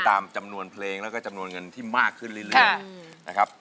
ตามจำนวนเพลงและจำนวนเงินที่มากขึ้นเรื่อย